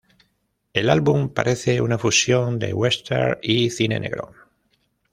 El álbum parece una fusión de western y cine negro.